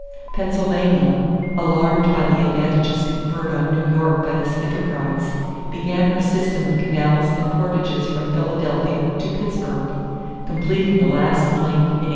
Pennsylvania, alarmed by the advantages conferred on New York by this enterprise, began her system of canals and portages from Philadelphia to Pittsburgh, completing the last link in 1834.